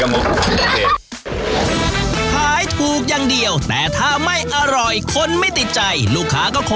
ล่าสุดไม่เป็นแล้วนะครับพะเอกล่าสุดจะเป็นตลก